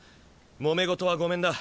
もめ事はごめんだ。